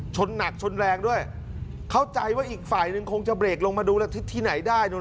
หนักชนแรงด้วยเข้าใจว่าอีกฝ่ายนึงคงจะเรกลงมาดูแล้วที่ไหนได้นู่น